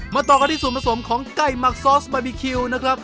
ต่อกันที่ส่วนผสมของไก่หมักซอสบาร์บีคิวนะครับ